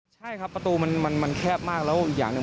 ใช่ครับประตูมันแคบมากแล้วอีกอย่างหนึ่ง